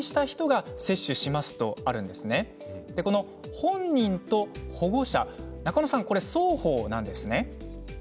本人と保護者中野さん、双方なんですね。